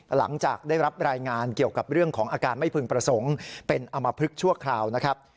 หลังจากได้รับรายงานเกี่ยวกับเรื่องของอาการไม่พึงประสงค์เป็นอมพลึกชั่วคราวนะครับ